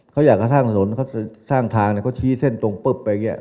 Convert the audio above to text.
เขาอยากจะสร้างสนสร้างทางเนี่ยเขาชี้เส้นตรงปึ๊บไปอย่างเงี้ย